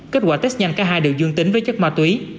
kết quả test nhanh cả hai đều dương tính với chất ma túy